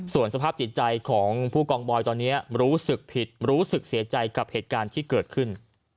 ส่วนสภาพจิตใจของผู้กองบอยตอนนี้รู้สึกผิดรู้สึกเสียใจกับเหตุการณ์ที่เกิดขึ้น